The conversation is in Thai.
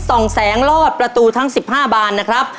สองแสงลอดประตูทั้ง๑๕บานนะครับ